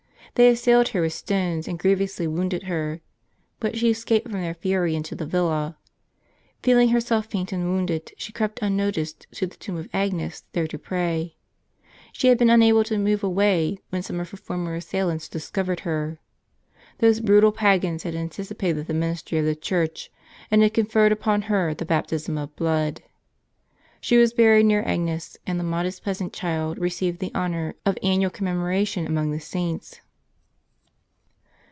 They assailed her with stones, and grievously wounded her; but she escaped from their fury into the villa. Feeling herself faint and wounded, she crept unnoticed to the tomb of Agnes, there to pray. She had been unable to move away when some of her former assailants discovered her. Those brutal Pagans had anticipated the ministry of the Church, and had conferred upon her the baptism of blood. She was buried near Agnes, and the modest peasant child received the honor of annual commemoration among the Saints.